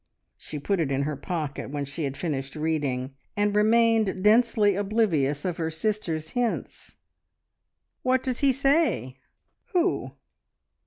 She put it in her pocket when she had finished reading, and remained densely oblivious of her sister's hints. "What does he say?" "Who?"